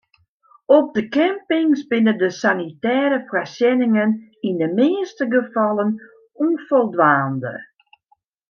Op de campings binne de sanitêre foarsjenningen yn de measte gefallen ûnfoldwaande.